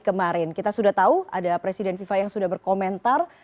kita sudah tahu ada presiden viva yang sudah berkomentar